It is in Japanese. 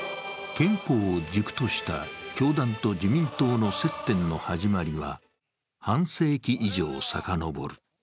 憲法を軸とした教団と自民党の接点の始まりは、半世紀以上さかのぼる。